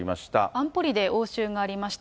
安保理で応酬がありました。